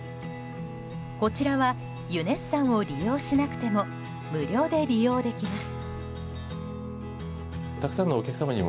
こちらはユネッサンを利用しなくても無料で利用できます。